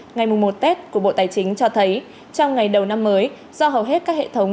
ngày một tết của bộ tài chính cho thấy trong ngày đầu năm mới do hầu hết các hệ thống